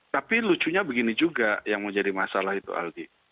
tapi lucunya begini juga yang menjadi masalah itu aldi